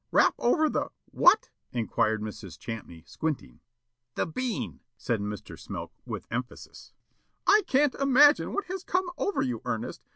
"Rap over the what?" inquired Mrs. Champney, squinting. "The bean," said Mr. Smilk, with emphasis. "I can't imagine what has come over you, Ernest.